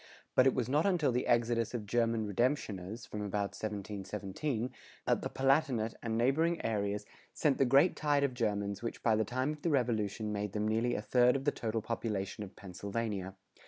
But it was not until the exodus of German redemptioners,[100:1] from about 1717, that the Palatinate and neighboring areas sent the great tide of Germans which by the time of the Revolution made them nearly a third of the total population of Pennsylvania.